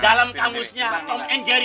dalam kamusnya om eng jeri